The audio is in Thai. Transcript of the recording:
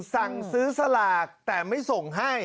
สั่งซื้อสลากแต่ไม่ส่งให้